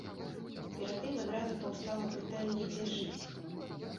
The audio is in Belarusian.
Перад ім адразу паўстала пытанне, дзе жыць.